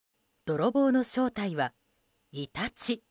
泥棒の正体はイタチ。